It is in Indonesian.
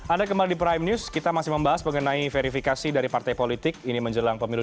ada kembali di prime news kita masih membahas mengenai verifikasi dari partai politik ini menjelang pemilu dua ribu sembilan